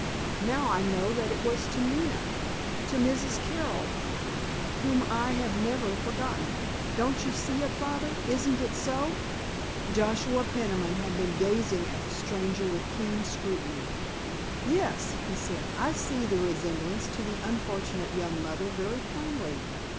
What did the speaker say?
Now I know that it was to Nina—to Mrs. Carroll—whom I have never forgotten. Don't you see it, Father? Isn't it so?" Joshua Peniman had been gazing at the stranger with keen scrutiny. "Yes," he said, "I see the resemblance to the unfortunate young mother very plainly.